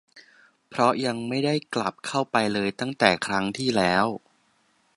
เพราะยังไม่ได้กลับเข้าไปเลยตั้งแต่ครั้งที่แล้ว